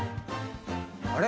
あれ？